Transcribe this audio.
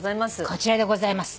こちらでございます。